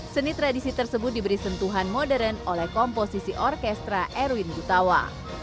seni tradisi tersebut diberi sentuhan modern oleh komposisi orkestra erwin gutawa